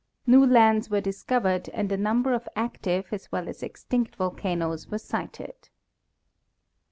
New lands were discovered and a number of active as well as extinct volcanoes were sighted.